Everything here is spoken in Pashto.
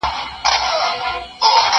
تا چي ول کار به کله خلاص سي